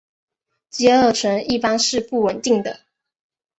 偕二醇一般是不稳定的。